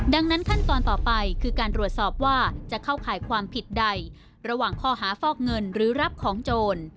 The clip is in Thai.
ดังนั้นขั้นตอนต่อไปคือการตรวจสอบว่าจะเข้าข่ายความผิดใดระหว่างข้อหาฟอกเงินหรือรับของโจร